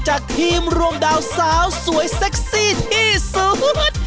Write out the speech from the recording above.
จากทีมรวมดาวสาวสวยเซ็กซี่ที่สุด